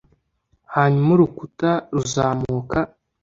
Hanyuma urukuta ruzamuka